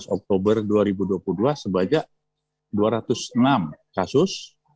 tiga delapan belas oktober dua ribu dua puluh dua sebajak dua ratus enam kasus